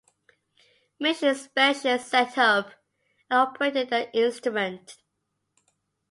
Mission specialists set up and operated the instrument.